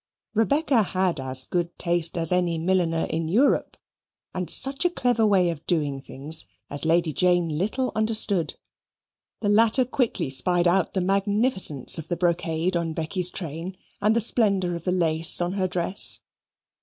Rebecca had as good taste as any milliner in Europe, and such a clever way of doing things as Lady Jane little understood. The latter quickly spied out the magnificence of the brocade of Becky's train, and the splendour of the lace on her dress.